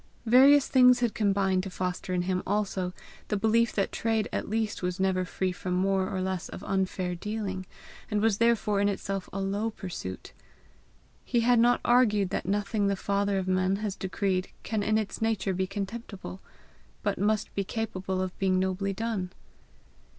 Various things had combined to foster in him also the belief that trade at least was never free from more or less of unfair dealing, and was therefore in itself a low pursuit. He had not argued that nothing the Father of men has decreed can in its nature be contemptible, but must be capable of being nobly done.